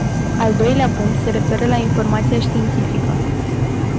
Al doilea punct se referă la informația științifică.